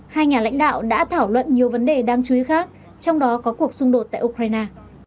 hai nhà lãnh đạo đã thảo luận nhiều vấn đề đáng chú ý khác trong đó có cuộc xung đột tại ukraine